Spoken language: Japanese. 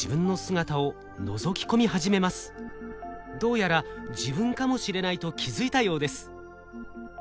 どうやら自分かもしれないと気付いたようです。